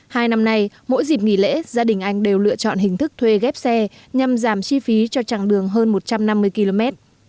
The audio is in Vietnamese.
hai năm nay mỗi dịp nghỉ lễ gia đình anh đều lựa chọn hình thức thuê ghép xe nhằm giảm chi phí cho chặng đường hơn một trăm năm mươi km